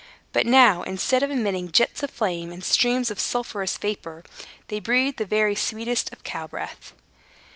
But now, instead of emitting jets of flame and streams of sulphurous vapor, they breathed the very sweetest of cow breath.